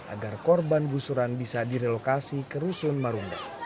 agar korban gusuran bisa direlokasi ke rusun marunda